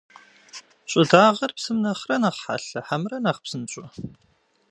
ЩӀыдагъэр псым нэхърэ нэхъ хьэлъэ хьэмэрэ нэхъ псынщӀэ?